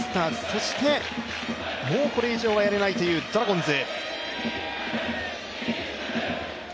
そして、もうこれ以上はやられないというドラゴンズ。